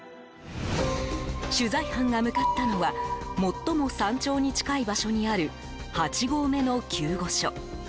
取材班が向かったのは最も山頂に近い場所にある８合目の救護所。